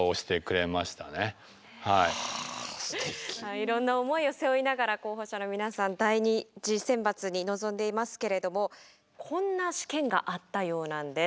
いろんな思いを背負いながら候補者の皆さん第２次選抜に臨んでいますけれどもこんな試験があったようなんです。